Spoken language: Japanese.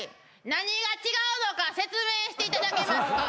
何が違うのか説明していただけますか？